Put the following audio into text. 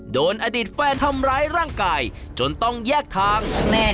โดนอดีตแฟนทำร้ายร่างกายจนต้องแยกทาง